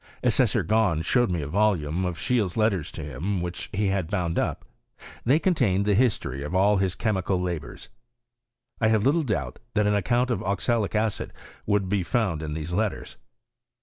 Assessor Gahn showed me a volume of Scheele 's letters to him, which he had bound up: they contained the history of all his chemical labours. I have little doubt that an account of oxalic acid would be found in these letters.